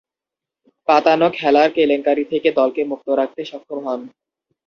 পাতানো খেলার কেলেঙ্কারী থেকে দলকে মুক্ত রাখতে সক্ষম হন।